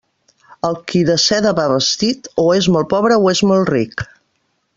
El qui de seda va vestit, o és molt pobre o és molt ric.